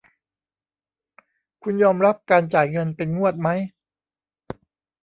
คุณยอมรับการจ่ายเงินเป็นงวดมั้ย ?